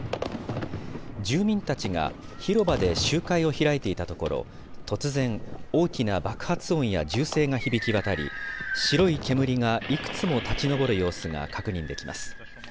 住民たちが広場で集会を開いていたところ、突然、大きな爆発音や銃声が響き渡り、白い煙がいくつも立ち上る様子が確認できます。